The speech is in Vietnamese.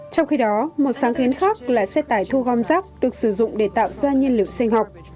trong khi đó một sáng kiến khác là xe tải thu gom rác được sử dụng để tạo ra nhiên liệu sinh học